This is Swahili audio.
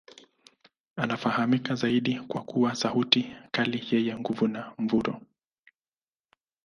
Anafahamika zaidi kwa kuwa sauti kali yenye nguvu na mvuto.